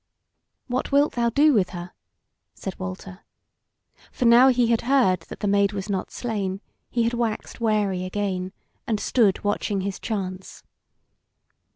"What wilt thou do with her?" said Walter; for now he had heard that the Maid was not slain he had waxed wary again, and stood watching his chance.